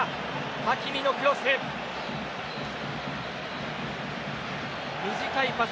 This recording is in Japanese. ハキミのクロス。